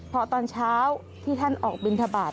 พอตอนเช้าที่ท่านออกบินทบาท